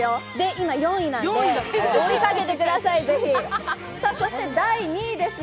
今４位なので、追いかけてください、ぜひ。